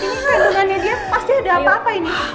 ini kandungannya dia pasti ada apa apa ini